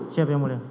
siap yang mulia